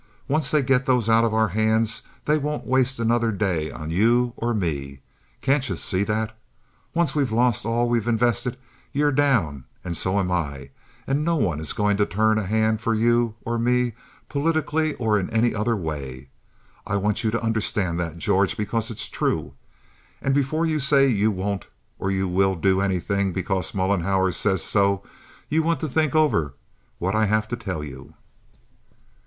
Once they get those out of our hands they won't waste another day on you or me. Can't you see that? Once we've lost all we've invested, you're down and so am I—and no one is going to turn a hand for you or me politically or in any other way. I want you to understand that, George, because it's true. And before you say you won't or you will do anything because Mollenhauer says so, you want to think over what I have to tell you."